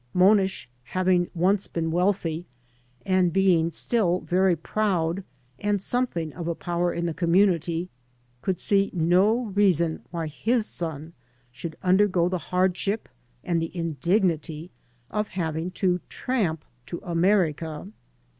Monish, having once been wealthy, and being still very proud and something of a power in the community, could see no reason why his son should undergo the hardship and the indignity of having to tramp to America.